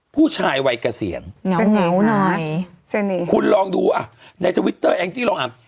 ผู้ชายวัยเกษียณเหงาเหงานะคุณลองดูอ่ะในทวิตเตอร์แองจี้ลองอ่าน